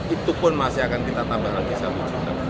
itu pun masih akan kita tambah lagi satu juta